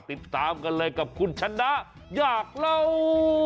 ติดตามกันเลยกับคุณชนะอยากเล่า